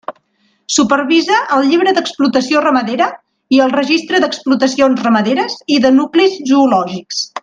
Supervisa el Llibre d'Explotació Ramadera i el Registre d'Explotacions Ramaderes i de Nuclis Zoològics.